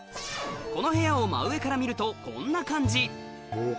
この部屋を真上から見るとこんな感じ